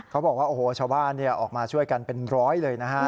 เขาบอกว่าโอ้โหชาวบ้านออกมาช่วยกันเป็นร้อยเลยนะฮะ